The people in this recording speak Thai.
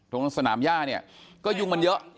ตรงสนามย่าเนี่ยก็ยุ่งมันเยอะ